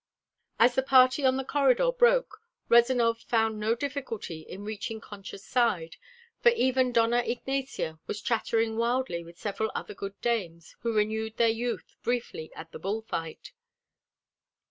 As the party on the corridor broke, Rezanov found no difficulty in reaching Concha's side, for even Dona Ignacia was chattering wildly with several other good dames who renewed their youth briefly at the bull fight.